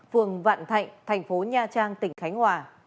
phường vạn thạnh tp nha trang tỉnh khánh hòa